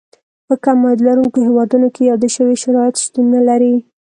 په کم عاید لرونکو هېوادونو کې یاد شوي شرایط شتون نه لري.